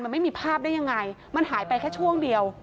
มันไม่มีภาพได้ยังไงมันหายไปแค่ช่วงเดียว